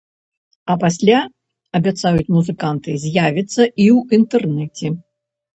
А пасля, абяцаюць музыканты, з'явіцца і ў інтэрнэце.